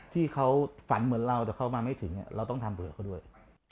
ที่เขาฝันเหมือนเราแต่เขามาไม่ถึงเราต้องทำเบื่อเขาด้วย